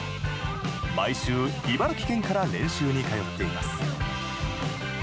毎週、茨城県から練習に通っています。